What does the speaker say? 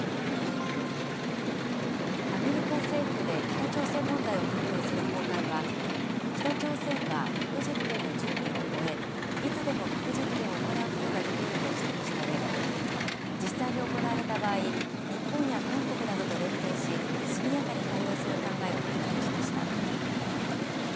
アメリカ政府で北朝鮮問題を担当する高官は、北朝鮮は核実験の準備を終え、いつでも核実験を行うことができると指摘したうえで、実際に行われた場合、日本や韓国などと連携し、速やかに対応する考えを強調しました。